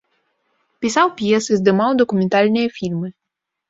Пісаў п'есы, здымаў дакументальныя фільмы.